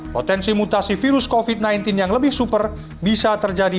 potensi mutasi virus covid sembilan belas yang lebih super bisa terjadi